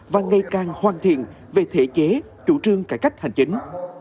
và ngày càng hoàn thiện về thể chế chủ trương cải cách hành chính